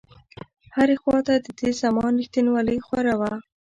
هره خواته د تېر زمان رښتينولۍ خوره وه.